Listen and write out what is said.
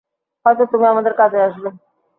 হয়তো তুমি আমাদের কাজে আসবে।